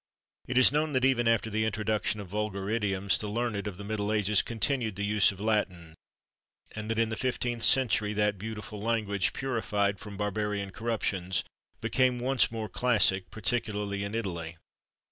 It is known that even after the introduction of vulgar idioms, the learned of the middle ages continued the use of Latin, and that in the 15th century that beautiful language, purified from barbarian corruptions, became once more classic, particularly in Italy.